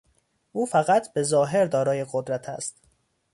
او فقط به ظاهر دارای قدرت است.